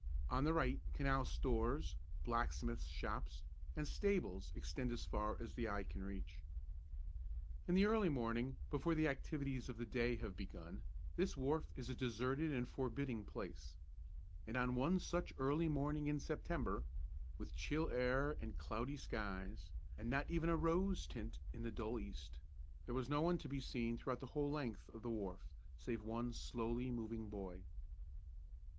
On the right, canal stores, blacksmith's shops, and stables extend as far as the eye can reach. In the early morning, before the activities of the day have begun, this wharf is a deserted and forbidding place, and on one such early morning in September, with chill air and cloudy skies, and not even a rose tint in the dull east, there was no one to be seen throughout the whole length of the wharf save one slowly moving boy.